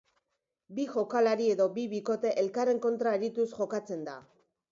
Bi jokalari edo bi bikote elkarren kontra arituz jokatzen da.